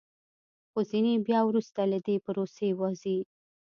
خو ځینې بیا وروسته له دې پروسې وځي